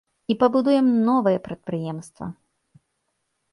І пабудуем новае прадпрыемства!